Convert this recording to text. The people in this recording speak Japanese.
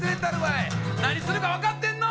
い何するか分かってんの？